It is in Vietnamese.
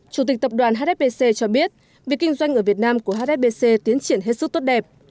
chủ tịch tập đoàn hsbc cho biết việc kinh doanh ở việt nam của hsbc tiến triển hết sức tốt đẹp